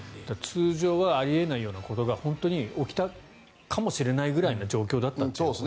通常はあり得ないようなことが本当に起きたかもしれないぐらいな状況だったということですね。